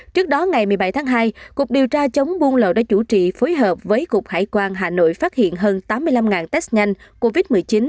trước đó ngày một mươi bảy tháng hai cục điều tra chống buôn lậu đã chủ trì phối hợp với cục hải quan hà nội phát hiện hơn tám mươi năm test nhanh covid một mươi chín